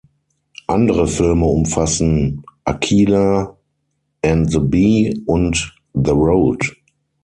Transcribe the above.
Andere Filme umfassen „Akeelah and the Bee“ und „The Road“.